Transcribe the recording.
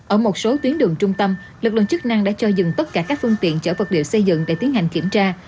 ở một số tuyến đường trung tâm lực lượng chức năng đã cho dừng tất cả các phương tiện chở vật liệu xây dựng để tiến hành kiểm tra